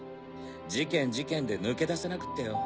事件事件で抜け出せなくってよ。